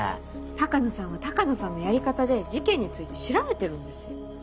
鷹野さんは鷹野さんのやり方で事件について調べてるんですよ。